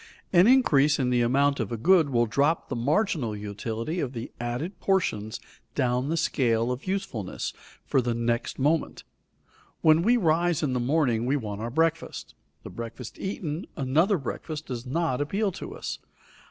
An increase in the amount of a good will drop the marginal utility of the added portions down the scale of usefulness for the next moment. When we rise in the morning, we want our breakfast; the breakfast eaten, another breakfast does not appeal to us.